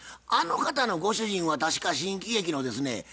あの方のご主人は確か新喜劇のですね